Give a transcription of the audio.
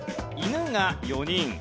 犬が４人。